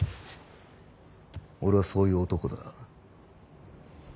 俺はそういう男だ。